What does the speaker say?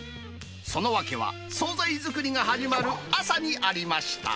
その訳は総菜作りが始まる朝にありました。